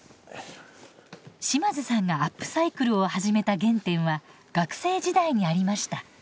島津さんがアップサイクルを始めた原点は学生時代にありました。